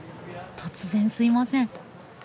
突然すいません。